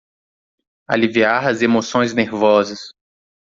Aliviar as emoções nervosas